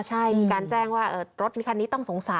ใช่มีการแจ้งว่ารถคันนี้ต้องสงสัย